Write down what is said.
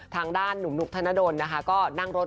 ทางด้านหนุ่มนุกธนดลนะคะก็นั่งรถ